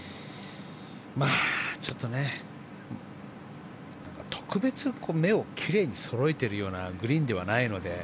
まあ、特別目をきれいにそろえているようなグリーンではないので。